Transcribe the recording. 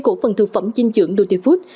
cổ phần thực phẩm dinh dưỡng nutifood